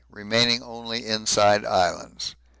Remaining only inside Islands.